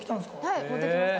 はい持ってきました。